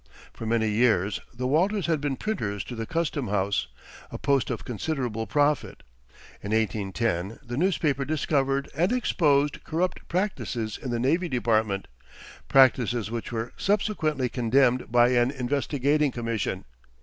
For many years the Walters had been printers to the custom house, a post of considerable profit. In 1810 the newspaper discovered and exposed corrupt practices in the Navy Department, practices which were subsequently condemned by an investigating commission.